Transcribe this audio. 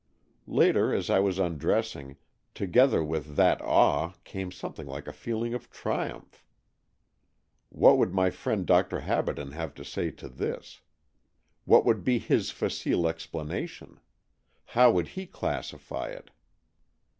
Later, as I was undressing, together with that awe came something like a feeling of triumph. What would my friend Dr. Habaden have to say to this.^ What would be his facile explana tion? How would he classify it?